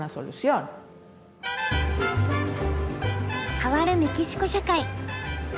変わるメキシコ社会。